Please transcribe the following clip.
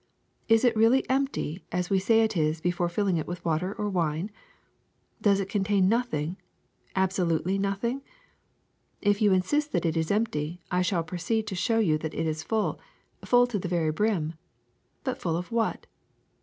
Is it really empty as we say it is before filling it with water or wine? Does it contain nothing, absolutely nothing? If you insist that it is empty, I shall pro ceed to show you that it is full, full to the very brim. But full of what